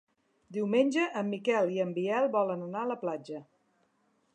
Diumenge en Miquel i en Biel volen anar a la platja.